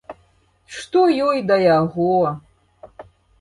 Што ёй да яго?